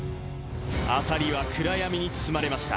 辺りは暗闇に包まれました